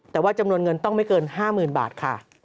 แต่ว่าจำนวนเงินต้องไม่เกิน๕๐๐๐บาทค่ะ